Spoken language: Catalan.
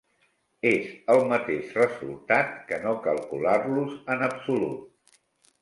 És el mateix resultat que no calcular-los en absolut.